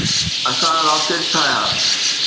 اسان راکٽ ٺاهيا.